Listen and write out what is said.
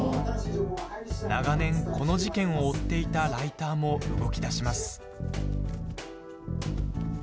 長年、この事件を追っていたライターも動きだします。